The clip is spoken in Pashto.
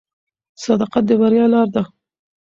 صداقت د بریا لاره ده.